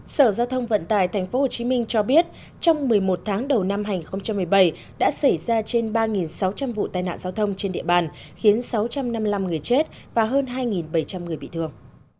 sở giao thông vận tải tp hcm cho biết trong một mươi một tháng đầu năm hai nghìn một mươi bảy đã xảy ra trên ba sáu trăm linh vụ tai nạn giao thông trên địa bàn khiến sáu trăm năm mươi năm người chết và hơn hai bảy trăm linh người bị thương